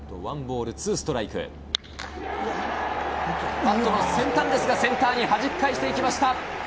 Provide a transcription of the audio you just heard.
バットの先端ですがセンターにはじき返していきました！